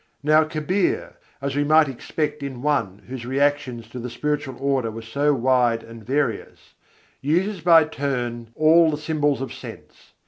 Now Kabîr, as we might expect in one whose reactions to the spiritual order were so wide and various, uses by turn all the symbols of sense.